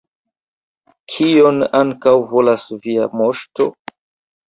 Kion ankoraŭ volas via moŝto?